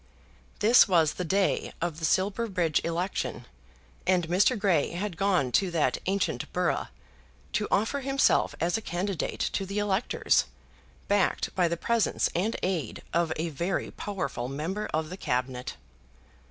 This was the day of the Silverbridge election, and Mr. Grey had gone to that ancient borough, to offer himself as a candidate to the electors, backed by the presence and aid of a very powerful member of the Cabinet.